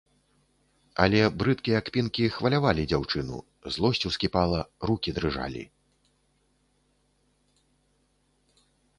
Але брыдкія кпінкі хвалявалі дзяўчыну, злосць ускіпала, рукі дрыжалі.